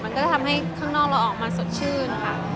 น่าจะทำให้ข้างนอกเราออกมาสดชื่น